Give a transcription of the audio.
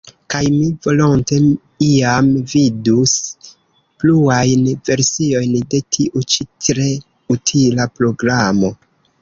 Kaj mi volonte iam vidus pluajn versiojn de tiu ĉi tre utila programo.